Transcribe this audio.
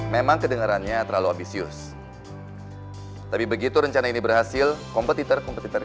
memang kedengerannya terlalu abisius hai tapi begitu rencana ini berhasil kompetitor kompetitor